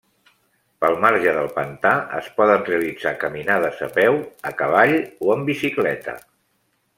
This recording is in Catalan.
Pel marge del pantà es poden realitzar caminades a peu, a cavall o en bicicleta.